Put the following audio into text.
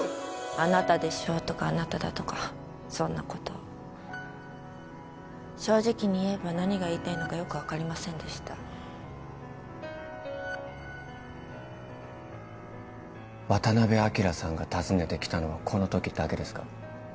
あなたでしょとかあなただとかそんなことを正直に言えば何が言いたいのかよく分かりませんでした渡辺昭さんが訪ねてきたのはこの時だけですか？